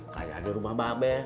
kayak di rumah mbak abe